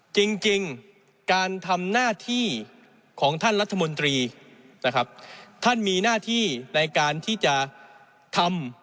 จริงจริงการทำหน้าที่ของท่านรัฐมนตรีนะครับท่านมีหน้าที่ในการที่จะทำ